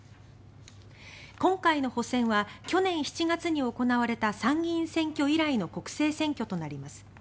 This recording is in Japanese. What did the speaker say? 今回の補選は去年７月に行われた参議院選挙以来の国政選挙となります。